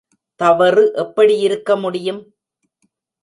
தவறு எப்படியிருக்க முடியும்?